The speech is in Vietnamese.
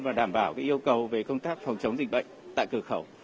và đảm bảo yêu cầu về công tác phòng chống dịch bệnh tại cửa khẩu